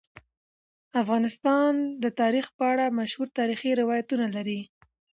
افغانستان د تاریخ په اړه مشهور تاریخی روایتونه لري.